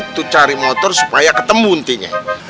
tuh cari motor supaya ketemu ntinya